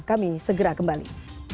kami segera kembali